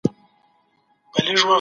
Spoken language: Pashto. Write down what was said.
تخیل د واقعیت په بیانولو کي مرسته کوي.